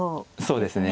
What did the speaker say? そうですね。